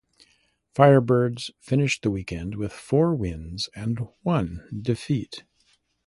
Firebirds finished the weekend with four wins and one defeat.